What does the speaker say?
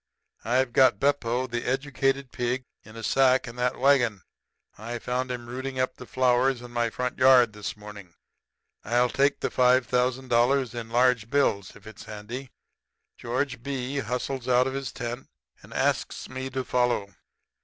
'I've got Beppo, the educated hog, in a sack in that wagon. I found him rooting up the flowers in my front yard this morning. I'll take the five thousand dollars in large bills, if it's handy.' "George B. hustles out of his tent, and asks me to follow.